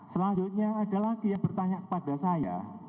selanjutnya ada lagi yang bertanya kepada saya